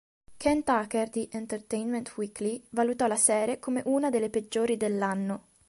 Ken Tucker di "Entertainment Weekly" valutò la serie come una delle peggiori dell'anno.